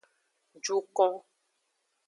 Jukon.